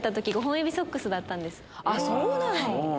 あっそうなの！